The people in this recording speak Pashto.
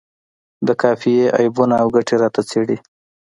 د قافیې عیبونه او ګټې راته څیړي.